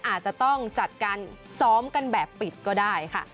อาจจะต้องจัดการซ้อมกันแบบปิดก็ได้ค่ะ